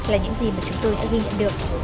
là những gì mà chúng tôi đã ghi nhận được